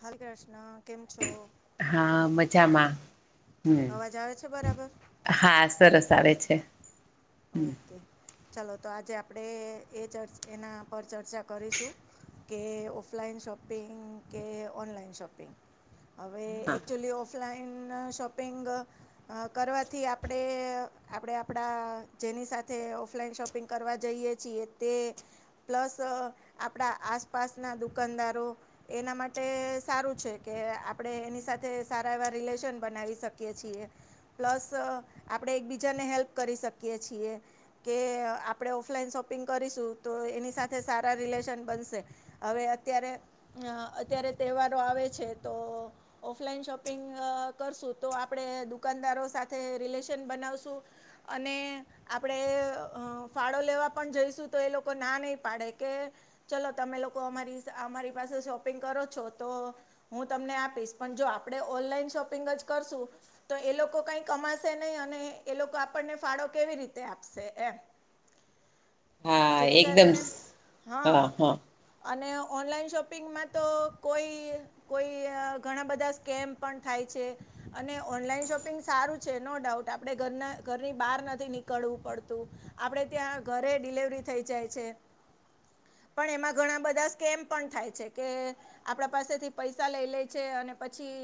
હરે કૃષ્ણ, કેમ છો? હા, મજામાં. અવાજ આવે છે, બરાબર. હા, સરસ આવે છે. ઓકે. ચાલો, તો આજે આપણે એ ચર્ચ એના પર ચર્ચા કરીશું. કે ઓફલાઇન શોપિંગ કે ઓનલાઇન શોપિંગ. હવે, એકચુલી ઓફ લાઈન શોપિંગ કરવાથી આપણે, આપણે આપણા જેની સાથે ઓફલાઈન શોપિંગ કરવા જઈએ છીએ તે પ્લસ આપણા આસપાસના દુકાનદારો એના માટે સારું છે કે આપણે એની સાથે સારા એવા રિલેશન બનાવી શકીએ છીએ. પ્લસ આપણેે એકબીજાને હેલ્પ કરી શકીએ છીએ. કે આપણે ઓફલાઈન શોપિંગ કરીશું, તો એની સાથે સારા રિલેશન બનશે. હવે, અત્યારે અ અત્યારે તહેવારો આવે છે તો ઓફલાઈન શોપિંગ અ કરશું, તો આપણે દુકાનદારો સાથે રિલેશન બનાવશું. અને આપણે અ ફાળો લેવા પણ જઈશું, તો એ લોકો ના નહી પાડે કે ચલો, તમે લોકો અમારી અમારી પાસે શોપિંગ કરો છો તો હું તમને આપીશ. પણ જો આપણે ઓનલાઈન શોપિંગ જ કરશું. તો એ લોકો કાઈ કમાશે નહીં અને એ લોકો આપણને ફાળો કેવી રીતે આપશે એમ. હા જેથી એકદમ કરીને, હા. અને ઓનલાઈન શોપિંગમાં તો કોઈ કોઈ અ ઘણા બધા સ્કેમ પણ થાય છે. અને ઓનલાઈન શોપિંગ સારું છે નો ડાઉટ આપણે ઘરના ઘરની બહાર ન થી નીકળવું પડતું આપડે ત્યાં ઘરે ડિલવરી થઈ જાય છે. પણ એમાં ઘણા બધા સ્કેમ પણ થાય છે કે- આપણા પાસેથી પૈસા લઈ લે છે અને પછી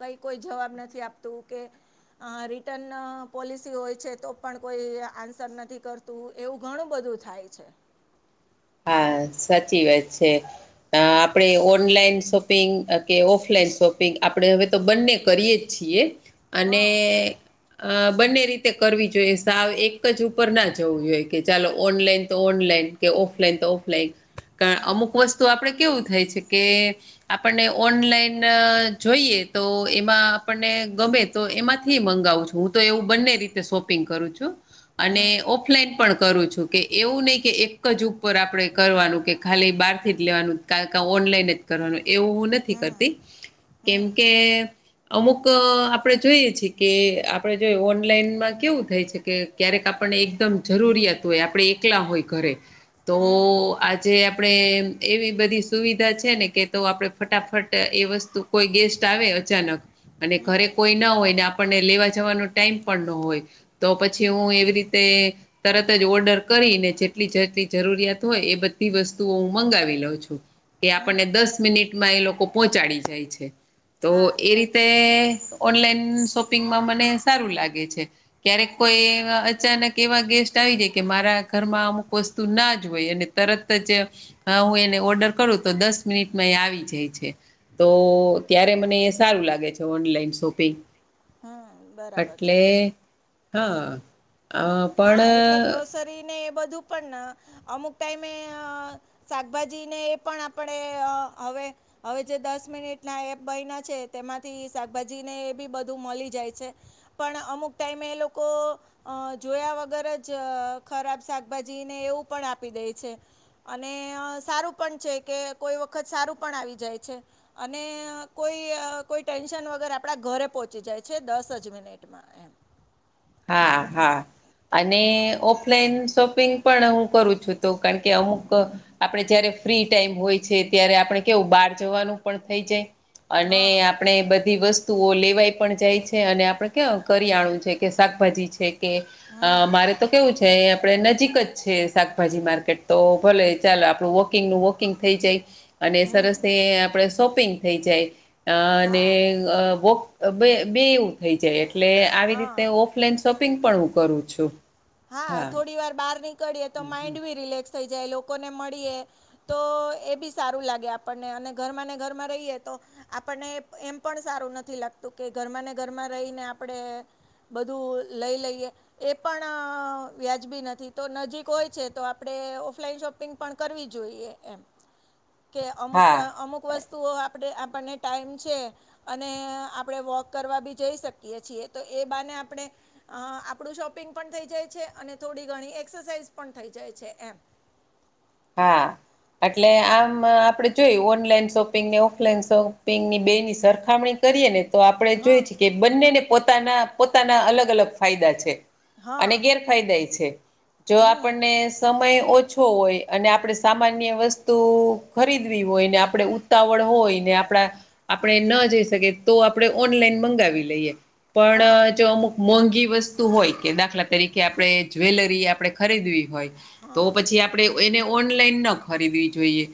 કઈ કોઈ જવાબ નથી આપતું કે- અ રિટર્ન પોલિસી હોય છે તો- પણ કોઈ આન્સર નથી કરતું એવું ઘણું બધું થાય છે. હા સાચી વાત છે આપણે ઓનલાઈન શોપ- પિંગ કે ઓફલાઈન શોપિંગ આપણે હવે તો બંને કરીએ જ છીએ. હા અને- અ બંને રીતે કરવી જોઈએ. સાવ એક જ ઉપર ના જવું જોઈએ કે ચાલો ઓનલાઈન તો ઓનલાઈન કે ઓફલાઈન તો ઓફલાઈન હમ કાઆઅમુક વસ્તુ આપડે કેવું થાય છે કે આપણને ઓનલાઈન જોઈએ તો એમાં આપણને ગમે તો એમાંથીએ મંગાવું છું હું તો એવું બંને રીતે શોપિંગ કરું છું. અને હમ ઓફલાઈન પણ કરું છું કે એવું નહીં કે એક જ- ઉપર આપણે એકરવાનું કે ખાલી બહારથી જ લેવાનું ઓનલાઈન જ કરવાનું એવું નથી કરતી હમ કેમ હમ કે? અમુક આપણે જોઈએ છીએ કે આપણે જોઈએ ઓનલાઈનમાં કેવું થાય છે કે? ક્યારેક આપણને એકદમ જરૂરિયાત હોય આપણે એકલા હોય ઘરે તો હમ આ-. જે આપણે એવી બધી સુવિધા છે. ને કે તો આપણે ફટાફટ એ વસ્તુ કોઈ ગેસ્ટ આવે અચાનક અને ઘરે હમ કોઈ ના હોય ને આપણેલેવા જવાનો ટાઈમ પણના હોય. તો પછી હું એવી રીતે તરત જ ઓર્ડર કરીને જેટલી ઝડપી જરૂરિયાત હોય એ બધી વસ્તુઓ હું મંગાવી લઉં છું કે આપણને હમ દસ મિનિટમાં એ લોકો પહોંચાડી જાય છે. તો હા એ રીતે સાચી વાત છે ઓનલાઈન શોપિંગમાં મને સારું લાગે છે. ક્યારેક હમ કોઈ એવાઅચાનક એવા ગેસ્ટ આવી જાય કે મારા ઘરમાં અમુક વસ્તુ જોયહોય અને તરત જ હું એને ઓર્ડર કરું તો દસ મિનિટમાં એ આવી જાય છે. તો ત્યારે મને એ સારું લાગે છે. Online shopping. હમ બરાબર છે એટલે હંઅ હા એટલે ગ્લોસરી ને એ બધું પણ અમુક ટાઈમેએઅ શાકભાજીને એ પણ આપણે હવે હવે જે દસ મિનિટના એપ બન્યા છે, તેમાંથી શાકભાજીને એ બી બધું મળી જાય છે. પણ અમુક ટાઈમે એ લોકો જોયા વગર જ ખરાબ શાકભાજીને એવું પણ આપી દે છે. અને સારું પણ છે, કે કોઈ વખત સારું પણ આવી જાય છે. અને કોઈ કોઈ ટેન્શન વગર આપડા ઘરે પહોંચી જાય છે દસ જ મિનિટ એમાં એમ હા હા. અને ઓફલાઈન શોપિંગ પણ હું કરું છું. તો કારણ કે અમુક આપણે જયારે ફ્રી ટાઈમ હોય છે. ત્યારે આપણે કેવું બહાર જવાનું પણ થઈ જાય. અને હા આપણેે બધી વસ્તુઓ લેવાય પણ જાય છે. અને આપડે કેમ કરીયાણું છે. કે શાકભાજી છેકે અ હમ મારે તો કેવું છે આપડે નજીક જ છે. શાકભાજી માર્કેટ તો ભલે ચાલો આપણું વાંક કિંગનું વોકિંગ થઈ જાય. અને હમ સરસ તે આપણે શોપીંગ થઈ જાય અને હા અ બે બેએવું થઈ જાય એટલે આવી રીતે હા ઓફલાઈન શોપિંગ પણ હુંકરુ છું. હા થોડી વાર બાર નીકળીએ તો માઈન્ડ બી રિલેક્સ થઈ જાય લોકોને મળીએ. તો એ બી સારું લાગે આપણને અને ઘરમાં ને ઘરમાં રઇએ તો આપણને એ એમ પણ સારું નથી લાગતું કે ઘરમાં ને ઘરમાં રઇને આપને બધું લઈ લઈએ એ પણ વ્યાજબી નથી તો નજીક ઓય છે. તો આપડે ઓફલાઈન શોપિંગ પણ કરવી જોઈએ એમ કે અમુક ટ હા અમુક વસ્તુઓ આપડે આપણને ટાઈમ છે. અને આપડે વોક કરવા બી જઈ શકીએ છીએ તો એ બાને આપડે અ આપડું શોપિંગ પણ થઈ જાય છે અને થોડી ઘણી એક્સરસાઇઝ પણ થઈ જાય છે એમ હા, એટલે આમ આપડી જોય ઓનલાઈન શોપિંગ ને ઓફલાઈન શોપિંગની બેની સરખામણી કરીએ ને તો આપડે જોઈએ હા છે કે બંનેને પોતાના પોતાના અલગ અલગ ફાયદા છે. હા અને ગેરફાયદાય છે જો હમ આપણને સમય ઓછો હોય અને આપડે સામાન્ય વસ્તુ ખરીદવી હોય ને આપડે ઉતાવળ હોય ને આપડા આપણે ન જઈ શકીએ તો આપડે ઓનલાઈન મંગાવી લઈએ હા પણ જો અમુક મોંઘી વસ્તુ હોય કે દાખલા તરીકે આપડે જ્વેલરી આપડે ખરીદવી હોય તો હા પછી આપડે એને ઓનલાઈન ન ખરીદવી જોઈએ.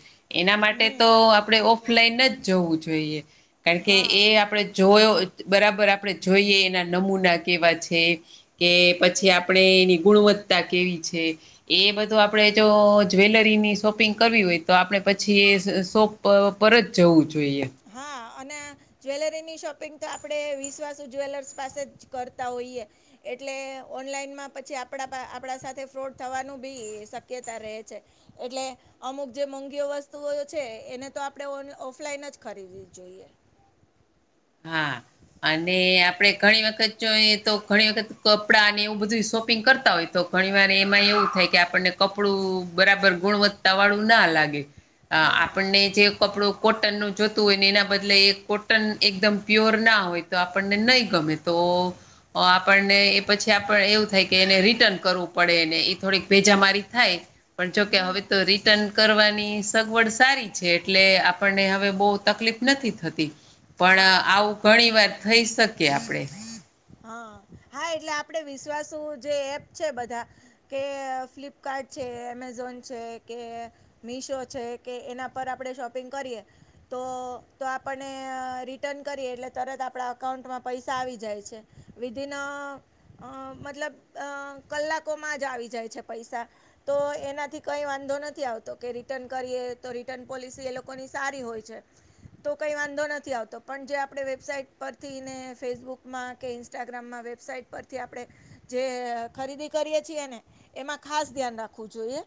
એના માટે હમ તો આપણે ઓફલાઈન જ જોવું જોઈએ કારણ કે એ હા આપડે જોયો બરાબર આપડે જોઈએ એના નમૂના કેવા છે, કે પછી આપડે એની ગુણવત્તા કેવી છે એ બધું આપડે તો જ્વેલરીની શોપિંગ કરવી હોય તો આપણે પછી એસ શોપ પ પર જ જવું જોઈએ. હા અને આ જ્વેલરીની શોપિંગ તો આપડે વિશ્વાસુ જ્વેલર્સ પાસે જ કરતા હોઈએ. એટલે ઓનલાઈનમાં પછી આપડા પા આપડા સાથે ફ્રોડ થવાનું બી શક્યતા રહે છે. એટલે અમુક જે મોંઘીઓ વસ્તુઓ છે એને તો આપડે ઓન ઓફલાઈન જ ખરીદવી જોઈએ. હા અને આપણે ઘણી વખત જોએ તો ઘણી વખત કપડાંને એવું બધુંય શોપિંગ કરતા હોય તો ઘણી વાર એમાં એવું થાય કે આપણને કપડું બરાબર ગુણવત્તા વાળું ના લાગે હા આપણને જે કપડું કોટનનું જોતું હોય ને એના બદલે એ કોટન એકદમ પ્યોર ના હોય તો આપણને નઇ ગમે તો આપણને એ પછી આપડ એવું થાય કે એને રિટર્ન કરવું પડેને એ થોડીક ભેજામારી થાય પણ જોકે હવે હમ તો રિ ટર્ન કરવાની સગવડ સારી છે એટલે આપણને હવે બોવ તકલીફ નથી થતી. પણ હા આવું ઘણી વાર થઈ શકીએ આપડે. હા, હા એટલે આપડે વિશ્વાસું જે એપ છે બધા કે ફ્લિપકાર્ટ છે એમેઝોન છે કે મીશો છે કે એના પર આપડે શોપિંગ કરીએ તો તો આપણને રિટર્ન કરીએ એટલે તરત આપડા અકાઉન્ટમાં પૈસા આવી જાય છે. વિધિન અ અ મતલબ અ કલાકોમાં જ આવી જાય છે પૈસા તો એનાથી કંઈ વાંધો નથી આવતો કે રિટર્ન કરીએ તો રિટર્ન પોલિસી એ લોકોની સારી હોય છે. તો કઈ વાંધો નથી આવતો પણ જે આપડે વેબસાાઈટ પરથી ને ફેસબુકમાં કે ઇન્સ્ટાગ્રામમાં વેબસાાઈટ પરથી આપડે જે ખરીદી કરીએ છીએ ને એમાં ખાસ ધ્યાન રાખવું જોઈએ.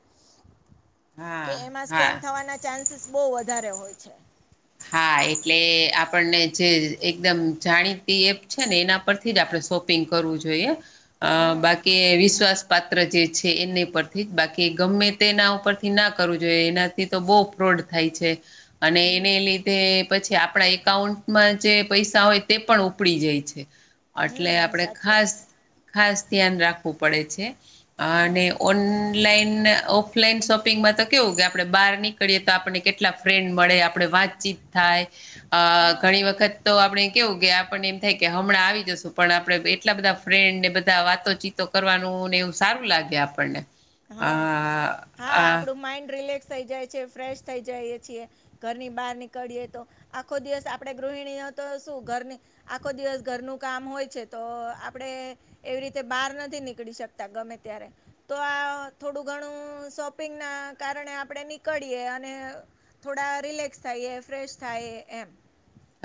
કે હા એમાં હા સ્કેમ થવાના ચાન્સીસ બોવ વધારે હોય છે. હા એટલે આપણને જે એકદમ જાણીતી એપ છે ને એના પરથી જ આપડે શોપિંગ કરવું જોઈએ. અ હમ બાકી વિશ્વાસ- પાત્ર જે છે એને પરથી જ બાકી ગમે તેના ઉપરથી ના કરવું જોઈએ એના તેતો બોવ ફ્રોડ થાય છે અને એને હમ લી ધે પછી આપણા એકાઉન્ટમાં જે પૈસા હોય તે પણ ઉપડી જાય છે. એટલે હમ આપણે સાચી ખાસ વાત છે ખાસ ધ્યાન રાખવું પડે છે હમ અને ઓન ઓનલાઈન ને ઓફલાઈન શોપિંગમાં તો કેવું કે, આપણે બહાર નીકળીએ તો આપણને કેટલા ફ્રેન્ડ મળે આપણે વાંત થાય અ હા ઘણી વખત તો આપણે કેવું કે આપણને એમ થાય હમણાં આવી જશું પણ આપણે એટલા ફ્રેન્ડને બધાં વાતોચી તો કરવાનું ને એવું સારું લાગે આપણને. આ હા. હા. આ આપડું માઈન્ડ રિલેક્સ થઇ જાય છે ફ્રેશ જાઈએ છીએ. ઘરની બહાર નીકળીએ તો આખો દિવસ આપણે ગૃહિણીઓ તો શું ઘરની આખો દિવસ ઘરનું કામ હોય છે તો આપડે એવી રીતે બહાર નથી નીકળી શકતા ગમે ત્યારે તો આ થોડું ઘણું શોપિંગના કારણે આપડે નીકળીએ અને થોડા રિલેક્સ થાઈએ ફ્રેશ થાએ એમ.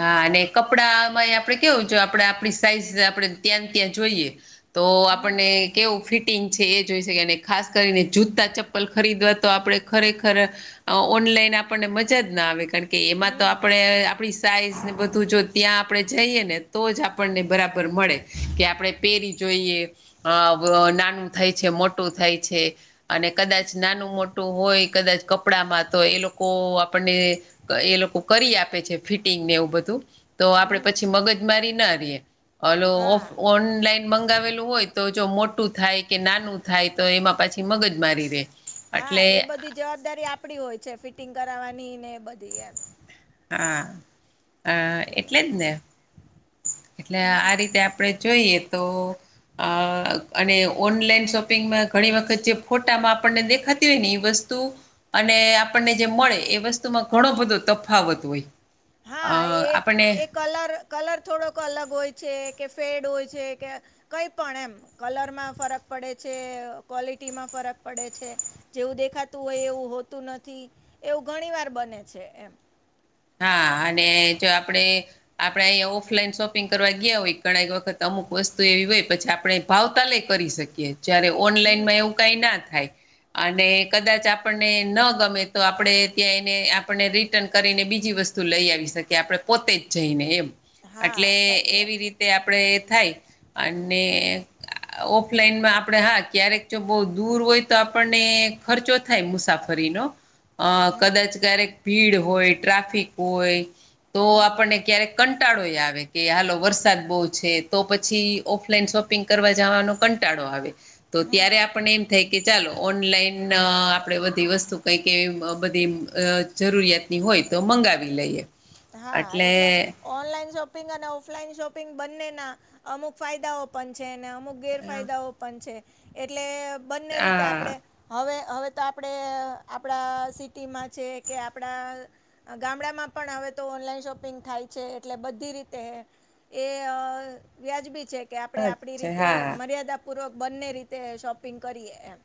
હા અને આપડે કપડાંમાંય આપણે કેવું કે, આપણે આપણી સાઈઝ આપણે ત્યાં ત્યાં જોઈએ. તો હમ આપણને કેવું ફિટિંગ છે એ જોઈ શકાય અને ખાસ કરીને જૂતા ચપ્પલ ખરીદવા તો આપડણે ખરેખર ઓનલાઈન આપણને મજા જ ના આવે કાણ કે, એમાં તો હમ આપણે આપણી સાઈઝ ને બધું જો ત્યાં આપણે જઈએ ને તો જ આપણને બરાબર મળે કે, આપણેે પેરી જોઈએ. અ બ નાનું થાય છે મોટું થાય છે. અને કદાચ નાનું મોટું હોય કદાચ કપડામાં તો એ લોકો આપણને એ લોકો કરી આપે છે ફિટિંગ ને એવું બધું. તો આપડે હમ પછી મગજમારી ના રીયે. હલો ઓફ હા ઓનલાઈન મંગાવેલું હોય તો જો મોટું કે નાનું તો એમાં પાછી મગજ મારી રેય હા એ બધી જવાબદારી આપડી હોય છે ફિટિંગ કરાવવાની ને એ બધી એમ. હ‌આ અ એટલે જ ને એટલે આ રીતે હમ આપણે જોઈએ તો અ અને ઓનલાઈન શોપિંગમાં ઘણી વખત જે ફોટામાં આપણને દેખા તી હોયને એ વસ્તુ અને આપણને જે મળે એ વસ્તુમાં ઘણો બધો ત ફાવત હોય. હા એ આપણને એક કલ્લર કલર થોડોક અલગ હોય છે કે શેડ હોય છે કે કંઈ પણ એમ. કલરમાં ફરક પડે છે. કોલિટીમાં ફરક પડે છે. જેવું દેખાતું હોય એવું હોતું નથી. એવું ઘણી વાર બને છે એમ. હા અને જો આપડે આપડે આયા ઓફલાઈન શોપિંગ કરવા ગ્યા હોય ઘણાય વખત અમુક વસ્તુ એવી હોય પછી આપણે ભાવતાલેય કરી શકીએ. જય્યારે હમ ઓનલાઈનમાં એવું કાંઈ ના થાય અને કદાચ આપણને ન ગમે તો આપણે ત્યાં એને આપણને રીટર્ન કરીને બી જી વસ્તુ લઈ આવી શકીએ. આપણે પોતે જ જઈને એમ. એટલે હા સાચી વાત એવી છે રીતે આપણેે થાય હમ અન્ને ઓફલાઈનમાં આપડે હા ક્યારેક જો બહુ દૂર હોય તો આપણને ખર્ચો થાય મુસાફરીનો. અ હમ કદાચ ક્યારેક ભીડ હોય ટ્રાફિક હોય તો હમ આપણને ક્યારેક કંટાળોય આવે કે, હાલો વરસાદ બહુ છે તો પછી ઓફલાઈન શોપિંગ કરવા જાવાનો કંટાળો આવે. તો હમ ત્યારે આપણને એમ થાય કે, ચાલો ઓનલાઇન આપણે બધી વસ્તુ કાંઈક એવી બધી અ જરૂરિયાતની હોય તો મંગાવી લઈએ. હા એટલે ઓનલાઈન શોપિંગ અને ઓફલાઈન શોપિંગ બંનેના અમુક ફાયદાઓ પણ છે. અને અમુક આ ગેરફાયદાઓ પણ છે. એટલે બંને રીતે હા આપણેે હવે હવે તો આપણે આપણા સિટીમાં છે. કે આપણા ગામડામાં પણ હવે તો ઓનલાઈન શોપિંગ થાય છે. એટલે બધી રીતે એ અ વ્યાજ બી છે. કે આપણે આપણી અચ્છા રીતે હા મર્યાદાપૂર્વક બંને રીતે શોપિંગ કરીએ એમ.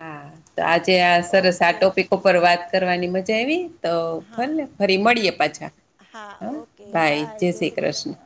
હા તો આજે આ સરસ આ ઓકે ટોપિક પર વાત કરવાની મજા આવી. તો હા ભલેને ફરી મળીએ પાછા હા બાય જય શ્રી કૃષ્ણ.